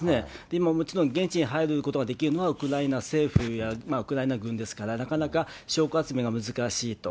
今、もちろん現地に入ることができるのは、ウクライナ政府やウクライナ軍ですから、なかなか証拠集めが難しいと。